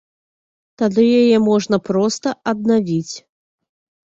Тады яе можна проста аднавіць.